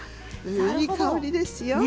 いい香りですよ。